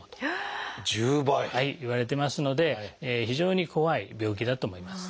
１０倍！いわれてますので非常に怖い病気だと思います。